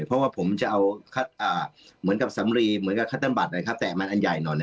เพราะว่าผมจะเอาเหมือนกับสำลีเหมือนกับคัตเตอร์บัตรนะครับแต่มันอันใหญ่หน่อย